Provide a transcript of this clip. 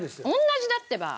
同じだってば！